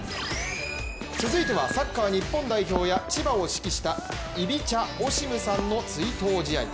続いてはサッカー日本代表や千葉を指揮したイビチャ・オシムさんの追悼試合。